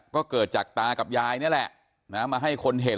ก็เกิดจากตากับยายนี่แหละมาให้คนเห็น